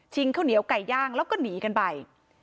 ข้าวเหนียวไก่ย่างแล้วก็หนีกันไป